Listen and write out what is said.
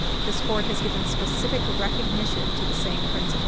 [Footnote 9]" This Court has given specific recognition to the same principle.